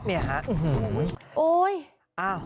นี่ฮะ